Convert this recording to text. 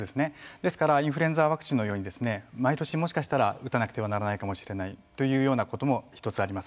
ですから、インフルエンザワクチンのように毎年もしかしたら打たなくてはならないかもしれないというようなことも１つ、あります。